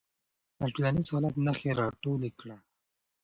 د ټولنیز حالت نښې راټولې کړه.